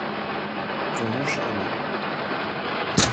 Ton nom charmant !